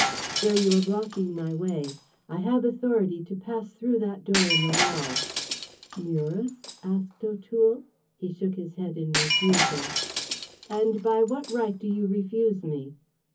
"Sir, you are blocking my way. I have authority to pass through that door in the wall." "Murus?" asked O'Toole. He shook his head in refusal. "And by what right do you refuse me?"